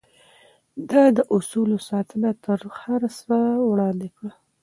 ده د اصولو ساتنه تر هر څه وړاندې کړه.